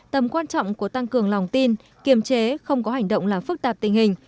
tầm quan trọng của tăng cường lòng tin kiềm chế không có hành động làm phức tạp tình hình